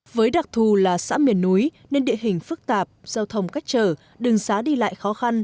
với đặc thù là xã miền núi nên địa hình phức tạp giao thông cách trở đường xá đi lại khó khăn